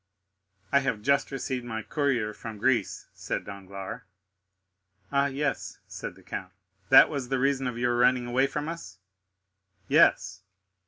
"I have just received my courier from Greece," said Danglars. "Ah, yes," said the count; "that was the reason of your running away from us." "Yes."